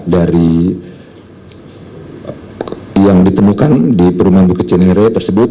dari yang ditemukan di perumahan bukit cenere tersebut